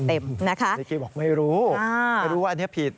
บอกไม่รู้ว่านี่ผิด